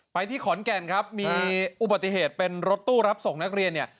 ที่ขอนแก่นครับมีอุบัติเหตุเป็นรถตู้รับส่งนักเรียนเนี่ย